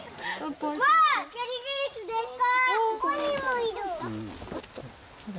ここにもいる。